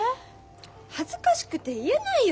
恥ずかしくて言えないよ